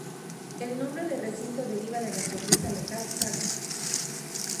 El nombre del recinto deriva de la cerveza local Saku.